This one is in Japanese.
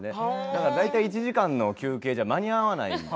だから１時間の休憩じゃ間に合わない。